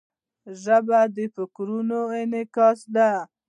ژبه د فکرونو انعکاس ده.